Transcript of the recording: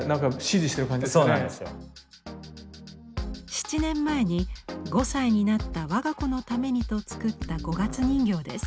７年前に５歳になった我が子のためにと作った五月人形です。